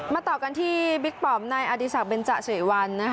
มาต่อกันที่บิ๊กปอมในอดีตศักดิ์เบนเจ้าสี่วันนะคะ